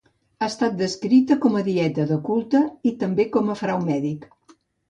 Ha estat descrita com a dieta de culte i també com a frau mèdic.